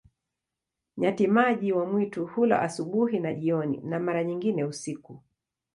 Nyati-maji wa mwitu hula asubuhi na jioni, na mara nyingine usiku.